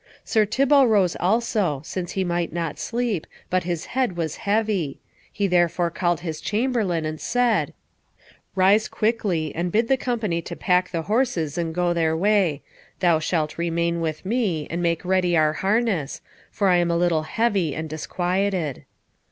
Sir Thibault rose also, since he might not sleep, but his head was heavy. He therefore called his chamberlain, and said, "Rise quickly, and bid the company to pack the horses and go their way. Thou shalt remain with me, and make ready our harness, for I am a little heavy and disquieted."